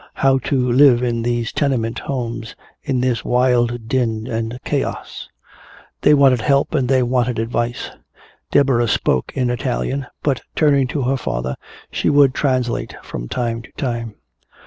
How to live in these tenement homes, in this wild din and chaos? They wanted help and they wanted advice. Deborah spoke in Italian, but turning to her father she would translate from time to time.